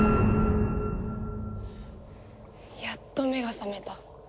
やっと目が覚めた。